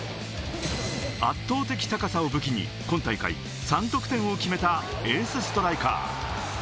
圧倒的高さを武器に今大会３得点を決めた、エースストライカー。